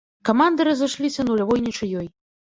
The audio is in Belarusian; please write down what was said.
Каманды разышліся нулявой нічыёй.